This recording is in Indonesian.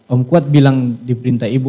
om kuat bilang diperintah ibu